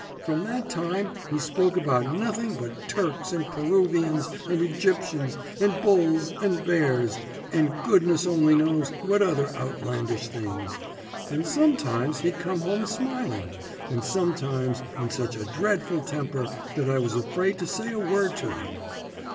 From that time he spoke about nothing but Turks, and Peruvians, and Egyptians, and Bulls, and Bears, and goodness only knows what other outlandish things; and sometimes he'd come home smiling, and sometimes in such a dreadful temper that I was afraid to say a word to him.